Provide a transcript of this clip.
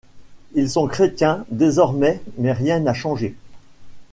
Ils sont chrétiens désormais mais rien n'a changé.